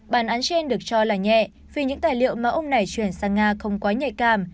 bản án trên được cho là nhẹ vì những tài liệu mà ông này chuyển sang nga không quá nhạy cảm